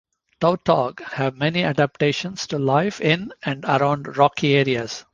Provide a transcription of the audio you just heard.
Tautog have many adaptations to life in and around rocky areas.